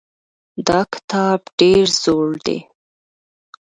دا کتاب ډېر زوړ دی.